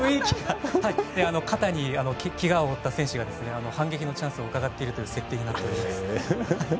肩にけがを負った戦士が反撃のチャンスをうかがっているという設定になっています。